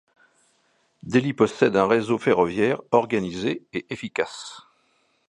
Delhi possède un réseau ferroviaire organisé et efficace.